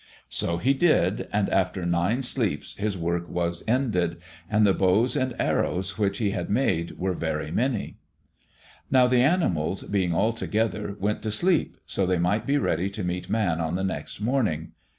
So he did, and after nine sleeps his work was ended, and the bows and arrows which he had made were very many. Now the animals, being all together, went to sleep, so they might be ready to meet Man on the next morning.